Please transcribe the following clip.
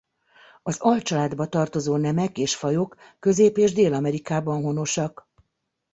Az alcsaládba tartozó nemek és fajok Közép- és Dél-Amerikában honosak.